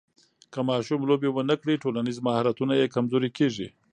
که ماشوم لوبې ونه کړي، ټولنیز مهارتونه یې کمزوري کېږي.